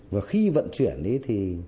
và khi vận chuyển ấy thì